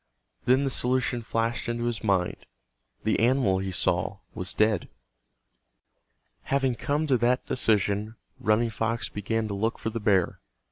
Then the solution flashed into his mind—the animal he saw was dead. Having come to that decision Running Fox began to look for the bear.